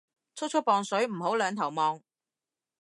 速速磅水唔好兩頭望